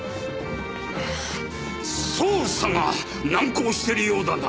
捜査が難航してるようだな